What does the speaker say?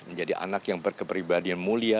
menjadi anak yang berkeperibadian mulia